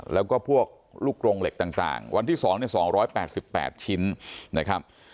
แล้วก็พวกลูกโรงเหล็กต่างวันที่๒๒๘๘ชิ้นนะครับ